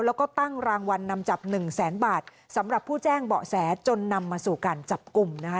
แล้วก็ตั้งรางวัลนำจับหนึ่งแสนบาทสำหรับผู้แจ้งเบาะแสจนนำมาสู่การจับกลุ่มนะคะ